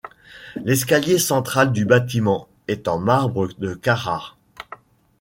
L'escalier central du bâtiment est en marbre de Carrare.